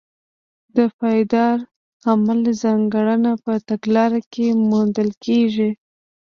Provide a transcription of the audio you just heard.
د پایداره عمل ځانګړنه په تګلاره کې موندل کېږي.